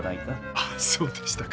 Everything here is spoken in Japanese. あっそうでしたか。